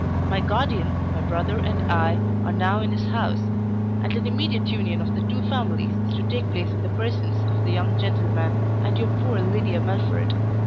My guardian, my brother and I, are now in his house; and an immediate union of the two families is to take place in the persons of the young gentleman and your poor Lydia Melford.